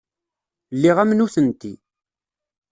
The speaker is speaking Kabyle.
Lliɣ am nutenti.